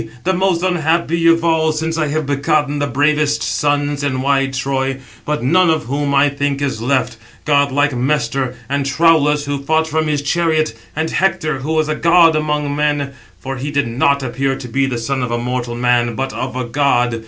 the most unhappy of all, since I have begotten the bravest sons in wide Troy; but none of whom I think is left: godlike Mestor, and Troulus, who fought from his chariot, and Hector, who was a god among men, for he did not appear to be the son of a mortal man, but of a god.